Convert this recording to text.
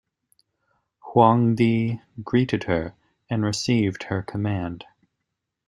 Huangdi greeted her and received her command.